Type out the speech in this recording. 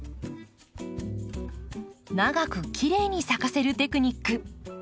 長くきれいに咲かせるテクニック。